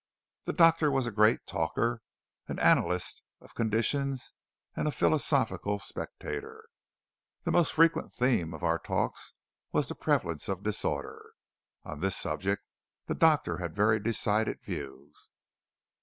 The doctor was a great talker, an analyst of conditions, and a philosophical spectator. The most frequent theme of our talks was the prevalence of disorder. On this subject the doctor had very decided views.